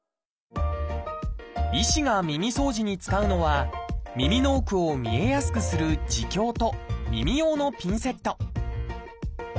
医師が耳そうじに使うのは耳の奥を見えやすくする耳鏡と耳用のピンセット。